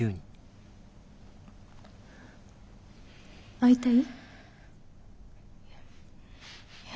会いたい？